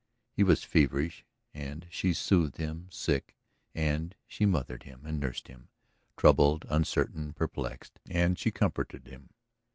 He was feverish, and she soothed him; sick, and she mothered him and nursed him; troubled, uncertain, perplexed, and she comforted him.